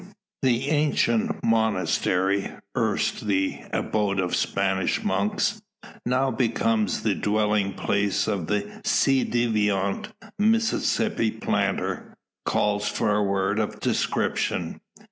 The ancient monastery, erst the abode of Spanish monks, now become the dwelling place of the ci devant Mississippi planter, calls for a word of description.